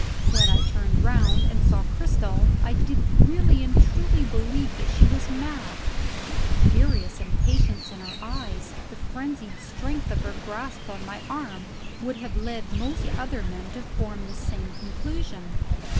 When I turned round, and saw Cristel, I did really and truly believe that she was mad. The furious impatience in her eyes, the frenzied strength of her grasp on my arm, would have led most other men to form the same conclusion.